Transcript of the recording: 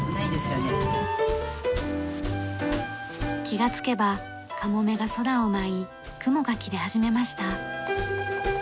気がつけばカモメが空を舞い雲が切れ始めました。